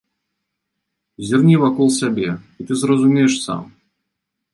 Зірні вакол сябе, і ты зразумееш сам!